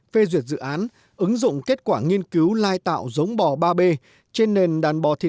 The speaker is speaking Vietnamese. phê duyệt dự án ứng dụng kết quả nghiên cứu lai tạo giống bò ba b trên nền đàn bò thịt